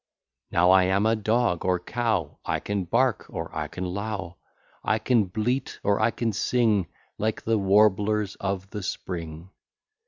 Now I am a dog, or cow, I can bark, or I can low; I can bleat, or I can sing, Like the warblers of the spring.